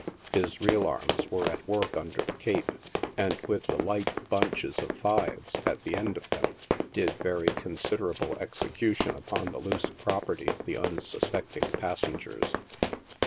His real arms were at work under the cape, and, with the light " bunches of fives" at the end of them, did very considerable execu tion upon the loose property of the unsuspecting passengers.